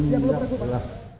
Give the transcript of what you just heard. tidak perlu perbu pak